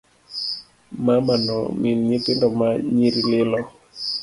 Mamano min nyithindo ma nyiri lilo.